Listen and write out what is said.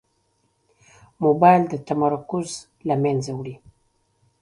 موبایل د تمرکز له منځه وړي.